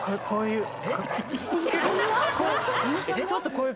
こういう。